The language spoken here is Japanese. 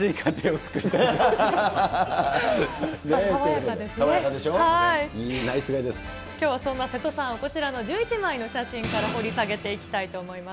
さてきょうはそんな瀬戸さんをこちらの１１枚の写真から掘り下げていきたいと思います。